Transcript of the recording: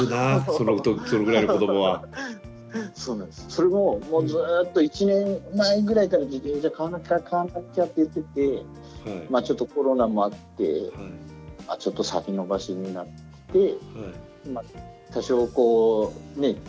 それももうずっと１年前ぐらいから自転車買わなきゃ買わなきゃって言っててまあちょっとコロナもあってちょっと先延ばしになって多少こうね